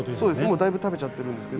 もうだいぶ食べちゃってるんですけど。